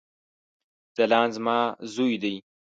ځلاند زما ځوي دی